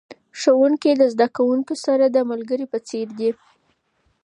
ښوونکي د زده کوونکو سره د ملګري په څیر دي.